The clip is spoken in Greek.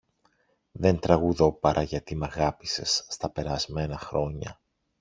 Δεν τραγουδώ παρά γιατί μ’ αγάπησες στα περασμένα χρόνια.